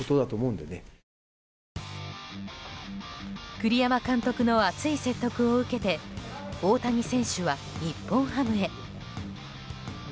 栗山監督の熱い説得を受けて大谷選手は日本ハムへ。